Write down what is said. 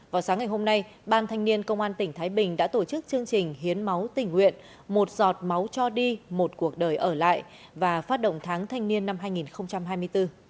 vào sáng ngày hôm nay ban thanh niên công an tỉnh thái bình đã tổ chức chương trình hiến máu tình nguyện một giọt máu cho đi một cuộc đời ở lại và phát động tháng thanh niên năm hai nghìn hai mươi bốn